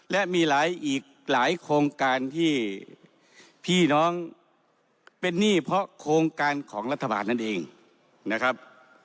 และมีหลายอีกหลายโครงการที่พี่น้องเป็นหนี้เพราะโครงการของรัฐบาลนั่นเองนะครับ